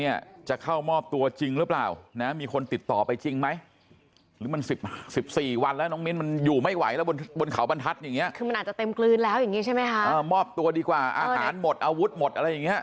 ยังไม่มีข้อมูลชี้ในเรื่องของการลงมาจากเขา